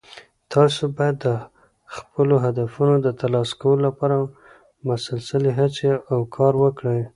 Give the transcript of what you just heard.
تاسو باید د خپلو هدفونو د ترلاسه کولو لپاره مسلسلي هڅې او کار وکړئ